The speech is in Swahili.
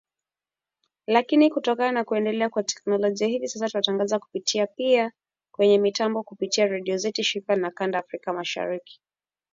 Lakini kutokana na kuendelea kwa teknolojia hivi sasa tunatangaza kupitia pia kwenye mitambo kupitia redio zetu shirika za kanda ya Afrika Mashariki na Kati